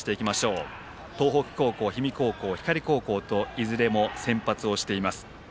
東北高校、氷見高校、光高校といずれも先発をしています。